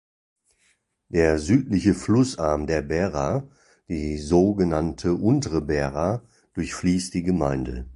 Der südliche Flussarm der Bära, die so genannte Untere Bära, durchfließt die Gemeinde.